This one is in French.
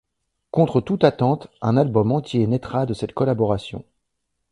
Contre toute attente, un album entier naitra de cette collaboration.